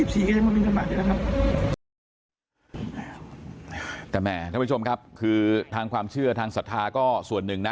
แต่แหม่ท่านผู้ชมครับคือทางความเชื่อทางศรัทธาก็ส่วนหนึ่งนะ